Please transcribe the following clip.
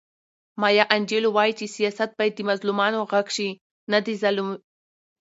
مایا انجیلو وایي چې سیاست باید د مظلومانو غږ شي نه د ظالمانو وسیله.